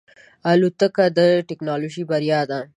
الوتکه د ټکنالوژۍ بریا ده.